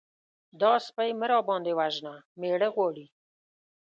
_دا سپۍ مه راباندې وژنه! مېړه غواړي.